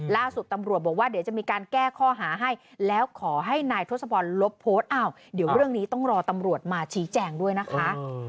ล่าสุดตำรวจบอกว่าเดี๋ยวจะมีการแก้ข้อหาให้แล้วขอให้นายทศพรลบโพสต์อ้าวเดี๋ยวเรื่องนี้ต้องรอตำรวจมาชี้แจงด้วยนะคะ